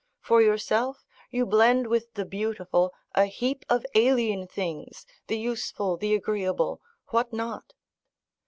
For yourself, you blend with the beautiful a heap of alien things, the useful, the agreeable, what not?